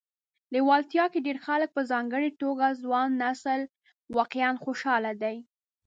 لیتوانیا کې ډېر خلک په ځانګړي توګه ځوان نسل واقعا خوشاله دي